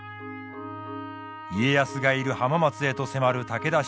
家康がいる浜松へと迫る武田信玄。